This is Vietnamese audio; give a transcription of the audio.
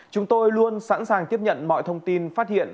chúng tôi luôn sẵn sàng tiếp nhận mọi thông tin phát hiện